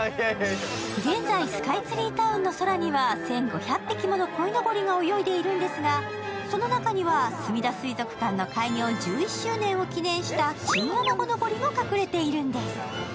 現在、スカイツリータウンの空には１５００匹ものこいのぼりが泳いでいるんですがその中にはすみだ水族館の開業１１周年を記念したチンアナゴのぼりも隠れているんです。